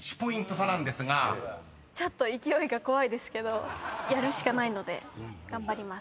ちょっと勢いが怖いですけどやるしかないので頑張ります。